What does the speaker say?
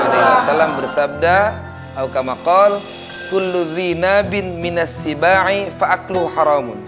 rasulullah saw bersabda